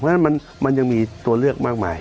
เพราะฉะนั้นมันยังมีตัวเลือกมากมาย